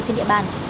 trên địa bàn